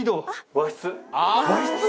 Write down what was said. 和室⁉